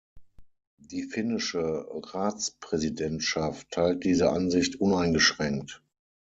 Die finnische Ratspräsidentschaft teilt diese Ansicht uneingeschränkt.